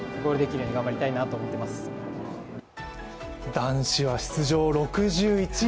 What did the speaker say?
男子は出場６１人